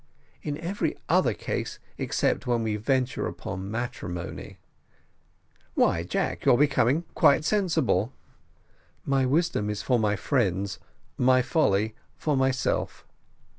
"In every other case except when we venture upon matrimony." "Why, Jack, you're becoming quite sensible." "My wisdom is for my friends, my folly for myself.